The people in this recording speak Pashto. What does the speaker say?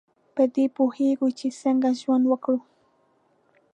په دې پوهیږو چې څنګه ژوند وکړو.